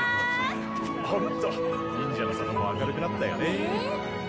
ホント忍者の里も明るくなったよね。